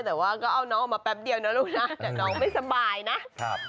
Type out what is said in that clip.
แต่ว่าก็เอาน้องออกมาแป๊บเดียวนะลูกนะแต่น้องไม่สบายนะครับ